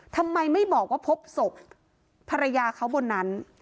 ทำไมไม่บอกว่าพบศพภรรยาเขาบนนั้น